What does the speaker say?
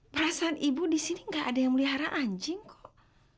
perasaan ibu di sini gak ada yang melihara anjing kok